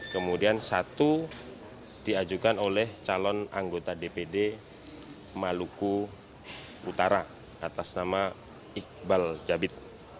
kemudian satu diajukan oleh calon anggota dpd maluku utara atas nama iqbal jabid